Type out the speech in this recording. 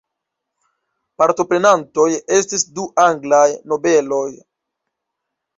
Partoprenantoj estis du anglaj nobeloj.